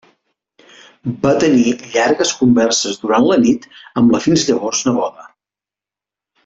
Va tenir llargues converses durant la nit amb la fins llavors neboda.